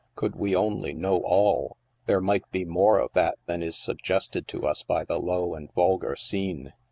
Could we only know all, there might be more of that than is suggested to us by the low and vulgar scene.